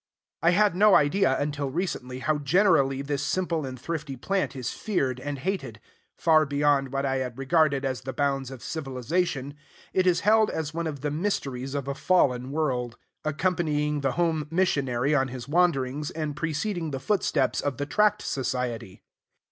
I had no idea, until recently, how generally this simple and thrifty plant is feared and hated. Far beyond what I had regarded as the bounds of civilization, it is held as one of the mysteries of a fallen world; accompanying the home missionary on his wanderings, and preceding the footsteps of the Tract Society.